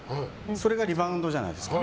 それがリバウンドじゃないですか。